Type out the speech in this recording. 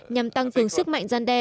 nhằm tăng cường sức mạnh gian đe